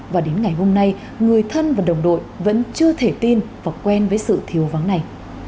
và đến ngày hôm nay người thân và đồng đội vẫn chưa thể tin và quen với sự thiếu vắng này